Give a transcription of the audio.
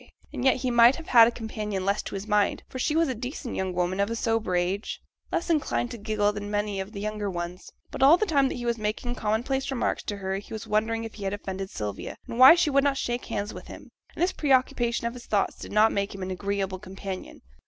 And yet he might have had a companion less to his mind, for she was a decent young woman of a sober age, less inclined to giggle than many of the younger ones. But all the time that he was making commonplace remarks to her he was wondering if he had offended Sylvia, and why she would not shake hands with him, and this pre occupation of his thoughts did not make him an agreeable companion.